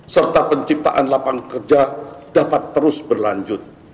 serta penciptaan lapangan kerja dapat terus berlanjut